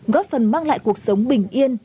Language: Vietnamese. góp phần mang lại cuộc sống bình yên